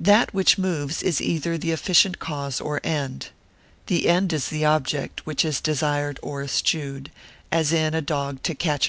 That which moves, is either the efficient cause, or end. The end is the object, which is desired or eschewed; as in a dog to catch a hare, &c.